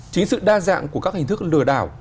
chính sự đa dạng của các hình thức lừa đảo